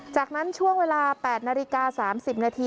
จากนั้นช่วงเวลา๘นาฬิกา๓๐นาที